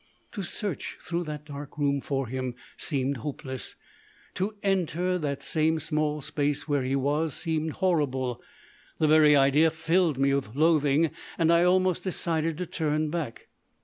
To search through that dark room for him seemed hopeless; to enter the same small space where he was seemed horrible. The very idea filled me with loathing, and I almost decided to turn back.